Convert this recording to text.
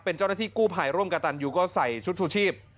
เป็นเจ้าหน้าที่กู้ภัยร่วมกับตันยูก็ใส่ชุดชูชีพ